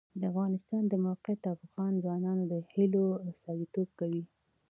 د افغانستان د موقعیت د افغان ځوانانو د هیلو استازیتوب کوي.